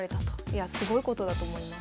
いやすごいことだと思います。